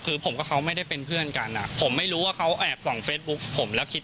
เทสผัวชีสซึ่งผมไม่มีเครื่องเทสผัวชีส